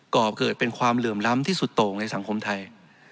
ก่อเกิดเป็นความเหลื่อมล้ำที่สุดโต่งในสังคมไทย